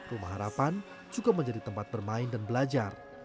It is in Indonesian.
rumah harapan juga menjadi tempat bermain dan belajar